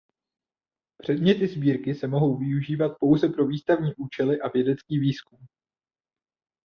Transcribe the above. Předměty sbírky se mohou využívat pouze pro výstavní účely a vědecký výzkum.